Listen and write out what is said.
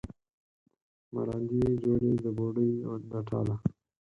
مراندې یې جوړې د بوډۍ د ټاله